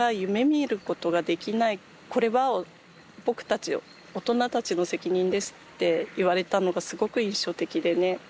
これは僕たち大人たちの責任ですって言われたのがすごく印象的でね。